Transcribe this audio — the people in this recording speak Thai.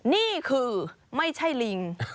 นี่คือไม่ใช่ลิง